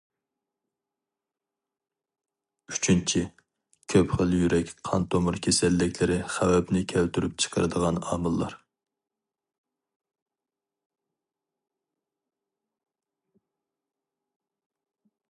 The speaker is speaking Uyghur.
ئۈچىنچى، كۆپ خىل يۈرەك قان تومۇر كېسەللىكلىرى خەۋپنى كەلتۈرۈپ چىقىرىدىغان ئامىللار.